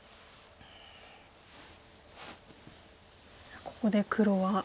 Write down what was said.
さあここで黒は。